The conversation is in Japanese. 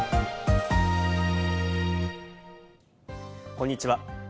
こんにちは。